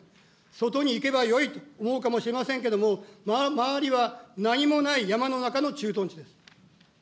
外に行けばよいと思うかもしれませんけれども、周りはなにもない山の中の駐屯地です。